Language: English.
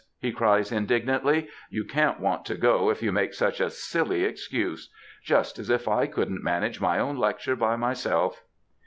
he cries indignantly ;" you can'*t want to go if you make such a silly excuse ! Just as if I couldn'^t manage my own lecture by myself.